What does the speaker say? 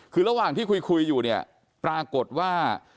คือระหว่างที่คุยอยู่เนี่ยปรากฏว่า